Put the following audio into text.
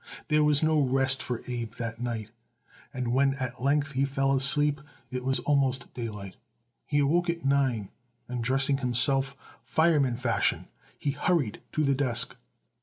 There was no rest for Abe that night, and when at length he fell asleep it was almost daylight. He awoke at nine and, dressing himself fireman fashion, he hurried to the desk.